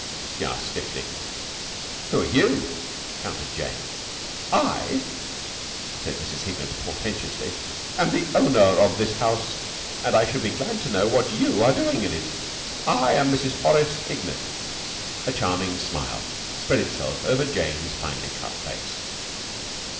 she asked stiffly. "Who are you?" countered Jane. "I," said Mrs. Hignett portentously, "am the owner of this house, and I should be glad to know what you are doing in it. I am Mrs. Horace Hignett." A charming smile spread itself over Jane's finely cut face.